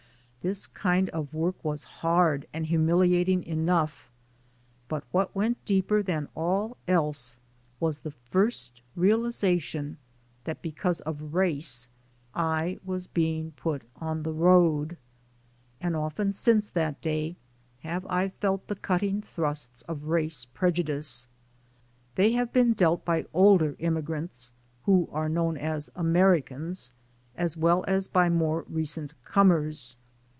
This kind of work was hard and humiliating enough, but what went deeper than all else was the first realization that because of race I was being put on the road. And often since that day have I felt the cutting thrusts of race preju dice. They have been dealt by older immigrants, who are known as "Americans," as well as by more recent comers.